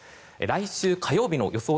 来週火曜日の予想